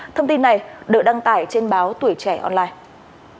thông tin này được đăng tải trên báo tuổi trẻ online